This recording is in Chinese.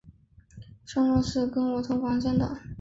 上上次跟我同房间的